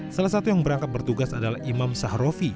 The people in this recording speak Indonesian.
salah satu yang berangkat bertugas adalah imam sahrofi